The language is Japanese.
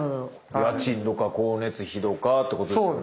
家賃や光熱費とかってことですよね。